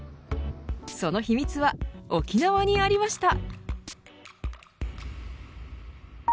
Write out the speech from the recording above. その秘密は沖縄にありました。